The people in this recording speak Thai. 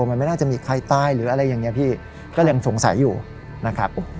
มันไม่น่าจะมีใครตายหรืออะไรอย่างนี้พี่ก็ยังสงสัยอยู่นะครับ